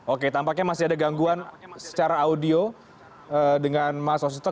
oke tampaknya masih ada gangguan secara audio dengan mas wasito